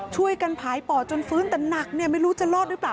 ช่วยกันภายป่อจนฟื้นแต่หนักไม่รู้จะรอดหรือเปล่า